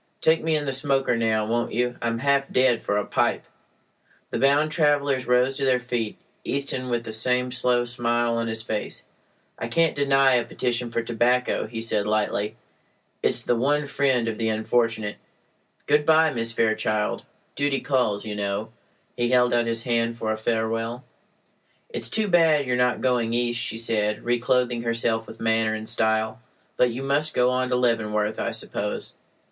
Take me in the smoker now, won't you? I'm half dead for a pipe." The bound travelers rose to their feet, Easton with the same slow smile on his face. "I can't deny a petition for tobacco," he said, lightly. "It's the one friend of the unfortunate. Good bye, Miss Fairchild. Duty calls, you know." He held out his hand for a farewell. "It's too bad you are not going East," she said, reclothing herself with manner and style. "But you must go on to Leavenworth, I suppose?"